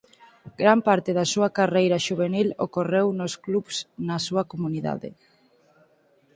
Gran parte da súa carreira xuvenil ocorreu nos clubs na súa comunidade.